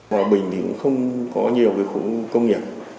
hòa bình thì cũng không có nhiều cái khu công nghiệp